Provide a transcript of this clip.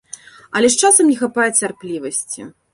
Але ж часам не хапае цярплівасці.